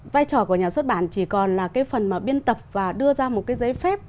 vai trò của nhà xuất bản chỉ còn là cái phần mà biên tập và đưa ra một cái giấy phép